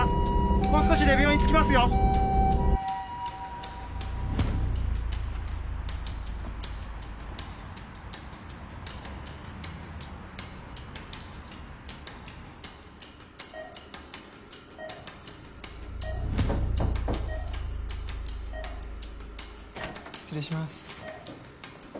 もう少しで病院着きますよ失礼します